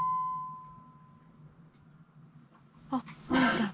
あっワンちゃん。